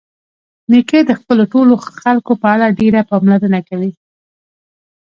نیکه د خپلو ټولو خلکو په اړه ډېره پاملرنه کوي.